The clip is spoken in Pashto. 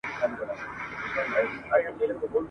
چي يې نوم وای تر اسمانه رسېدلی !.